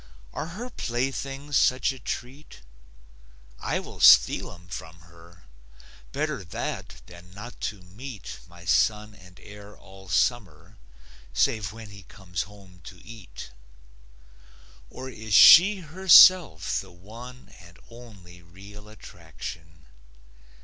Are her playthings such a treat? I will steal 'em from her; Better that than not to meet My son and heir all summer, Save when he comes home to eat. Or is she herself the one And only real attraction?